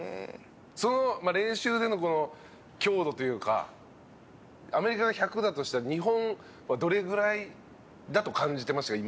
その練習での強度というかアメリカが１００だとしたら日本はどれぐらいだと感じていましたか？